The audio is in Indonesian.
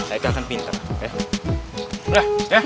aika akan pinter ya